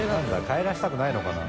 帰らせたくないのかな？